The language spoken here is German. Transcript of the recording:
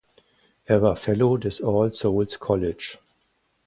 Er war Fellow des All Souls College.